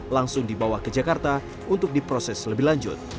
langsung dibawa ke jakarta untuk diproses lebih lanjut